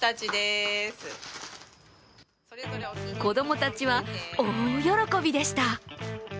子供たちは大喜びでした。